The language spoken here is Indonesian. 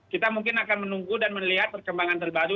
kita mungkin akan menunggu dan melihat perkembangan terbaru